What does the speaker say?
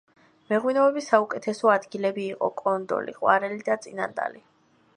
მეღვინეობის საუკეთესო ადგილები იყო კონდოლი, ყვარელი და წინანდალი.